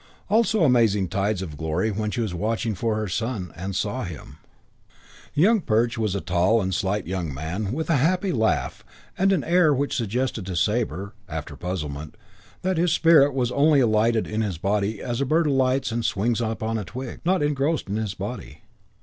Also amazing tides of glory when she was watching for her son, and saw him. Young Perch was a tall and slight young man with a happy laugh and an air which suggested to Sabre, after puzzlement, that his spirit was only alighted in his body as a bird alights and swings upon a twig, not engrossed in his body.